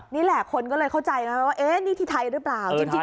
นี่แหละคนก็เลยเข้าใจนะว่าเอ๊ะนี่ที่ไทยหรือเปล่าเออไทยหรือเปล่า